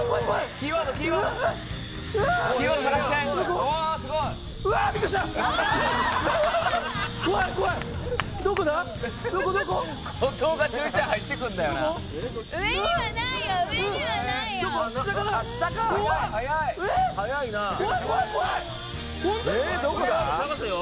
キーワード探せよ。